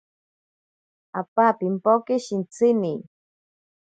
Apa pimpoke shintsini.